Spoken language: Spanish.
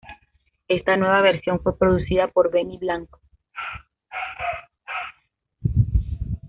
Esta nueva versión fue producida por Benny Blanco.